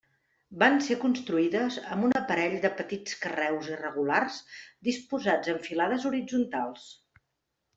Van ser construïdes amb un aparell de petits carreus irregulars disposats en filades horitzontals.